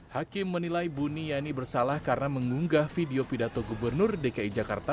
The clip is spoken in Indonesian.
hakim menilai buniyani bersalah karena mengunggah video pidato gubernur dki jakarta